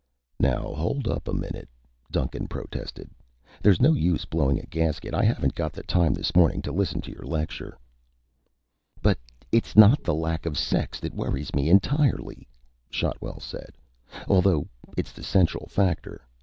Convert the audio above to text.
"Now hold up a minute," Duncan protested. "There's no use blowing a gasket. I haven't got the time this morning to listen to your lecture." "But it's not the lack of sex that worries me entirely," Shotwell said, "although it's the central factor.